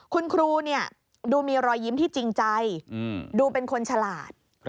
คุณครูดูมีรอยยิ้มที่จริงใจดูเป็นคนฉลาด